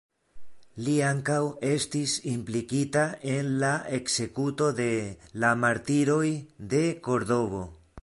Li ankaŭ estis implikita en la ekzekuto de la "Martiroj de Kordovo".